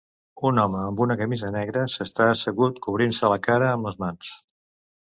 Un home amb una camisa negra s'està assegut cobrint-se la cara amb les mans.